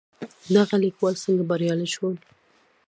دغه کليوال څنګه بريالي شول؟